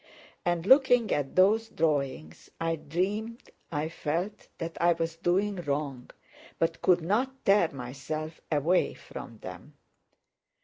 And looking at those drawings I dreamed I felt that I was doing wrong, but could not tear myself away from them.